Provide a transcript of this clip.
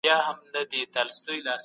موږ باید د غریبانو مرسته وکړو.